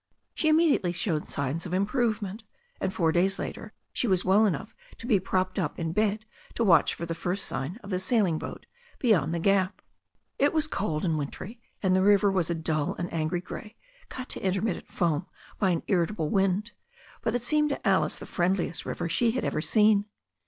She im mediately showed signs of improvement, and four days later she was well enough to be propped up in bed to watch for the first sign of the sailing boat beyond the gap. It was cold and wintry, and the river was a dull and angry grey, cut to intermittent foam by an irritable wind, but it seemed to Alice the friendliest river she had ever seen.